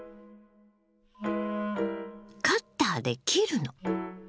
カッターで切るの。